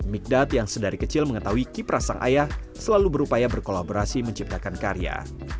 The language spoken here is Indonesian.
migdat yang sedari kecil mengetahui kiprah sang ayah selalu berupaya berkolaborasi menciptakan karya